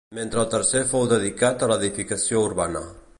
Mentre el tercer fou dedicat a l’edificació urbana.